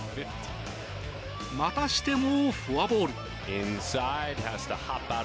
またしてもフォアボール。